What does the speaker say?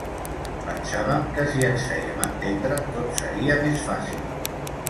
Pensàvem que si ens fèiem entendre tot seria més fàcil.